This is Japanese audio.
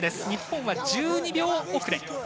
日本は１２秒遅れ。